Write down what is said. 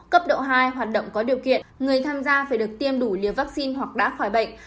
cấp độ hai hoạt động có điều kiện người tham gia phải được tiêm đủ liều vaccine hoặc đã khỏi bệnh